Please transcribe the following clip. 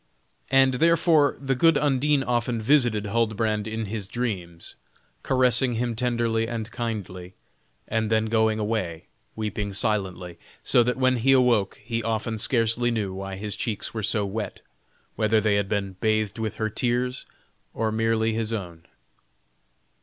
And, therefore, the good Undine often visited Huldbrand in his dreams; caressing him tenderly and kindly, and then going away, weeping silently, so that when he awoke he often scarcely knew why his cheeks were so wet; whether they had been bathed with her tears, or merely with his own?